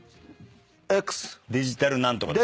デジタル何とかです。